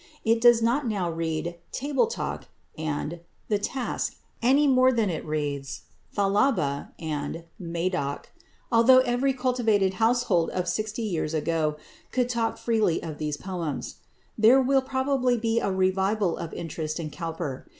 It does not now read "Table Talk" and "The Task" any more than it reads "Thalaba" and "Madoc," although every cultivated household of sixty years ago could talk freely of these poems. There will probably be a revival of interest in Cowper.